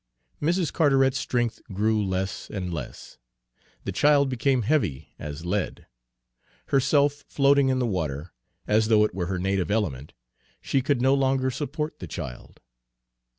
Mrs. Carteret's strength grew less and less. The child became heavy as lead. Herself floating in the water, as though it were her native element, she could no longer support the child.